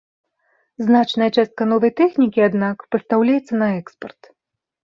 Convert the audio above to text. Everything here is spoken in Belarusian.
Значная частка новай тэхнікі, аднак, пастаўляецца на экспарт.